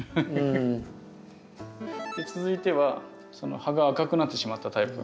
続いてはその葉が赤くなってしまったタイプ。